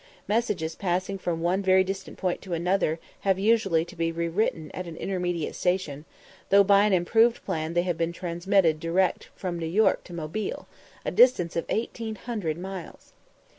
Messages passing from one very distant point to another have usually to be re written at an intermediate station; though by an improved plan they have been transmitted direct from New York to Mobile, a distance of 1800 miles.